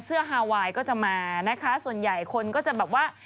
ฮาไวน์ก็จะมานะคะส่วนใหญ่คนก็จะแบบว่า